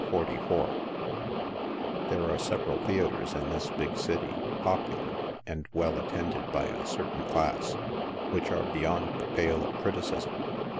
4 11 There are several theatres in this big city, popular, and well at tended by a certain class, which are beyond the pale of criticism.